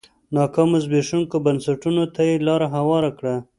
ناکامو زبېښونکو بنسټونو ته یې لار هواره کړه.